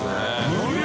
無料！